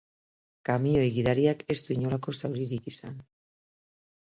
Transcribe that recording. Kamioi-gidariak ez du inolako zauririk izan.